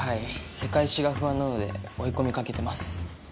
世界史が不安なので追い込みかけてます。